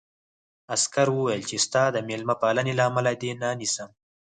عسکر وویل چې ستا د مېلمه پالنې له امله دې نه نیسم